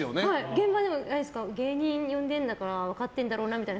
現場でないですか芸人呼んでるから分かってんだろうなみたいな。